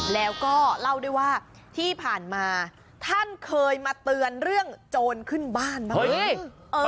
แล้วก็เล่าด้วยว่าที่ผ่านมาท่านเคยมาเตือนเรื่องโจรขึ้นบ้านบ้างไหม